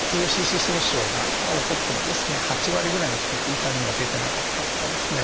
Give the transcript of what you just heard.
ＴＦＣＣ損傷が起こってもですね８割ぐらいの人って痛みが出てなかったりとかですね。